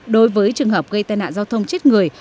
đối với trường hợp gây tai nạn giao thông chết người